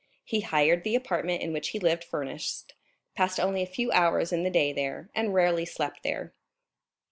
He hired the apartment in which he lived furnished, passed only a few hours in the day there, and rarely slept there.